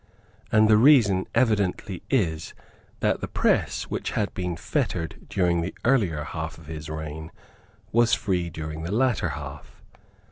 And the reason evidently is that the press, which had been fettered during the earlier half of his reign, was free during the latter half.